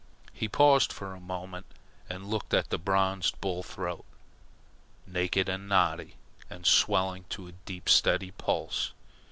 He paused for a moment and looked at the bronzed bull throat, naked and knotty, and swelling to a deep steady pulse.